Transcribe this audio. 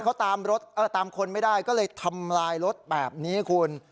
เขาตามรถตามคนไม่ได้ก็เลยทำลายรถแบบนี้คุณ